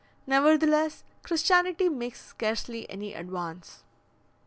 Nevertheless, Christianity makes scarcely any advance.